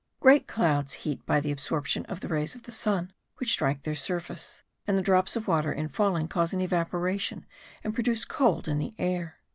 Great clouds heat by the absorption of the rays of the sun which strike their surface; and the drops of water in falling cause an evaporation and produce cold in the air.